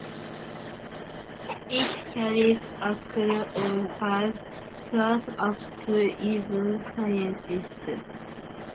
It carries a crew of five, plus up to eleven scientists.